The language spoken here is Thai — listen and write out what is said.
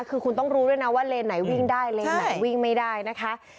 คือคุณต้องรู้ด้วยนะว่าเลนไหนวิ่งได้เลนไหนวิ่งไม่ได้นะคะ